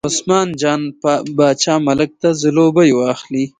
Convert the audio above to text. چې عثمان جان باچا ملک ته ځلوبۍ واخلي.